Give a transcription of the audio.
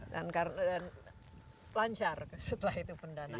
dan lancar setelah itu pendanaan